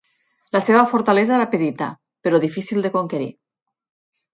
La seva fortalesa era petita però difícil de conquerir.